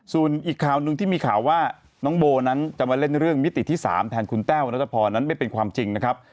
ส่วนอีกข่าวหนึ่งที่มีข่าวว่าน้องโบนั้นจะมาเล่นเรื่องมิติที่๓แทนคุณแต้วนัทพรนั้นไม่เป็นความจริงนะครับ